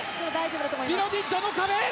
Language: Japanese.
ビロディッドの壁！